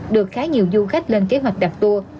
được khá nhiều du khách lên kế hoạch đặt tour